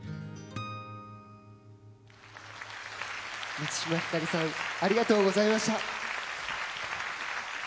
満島ひかりさんありがとうございました。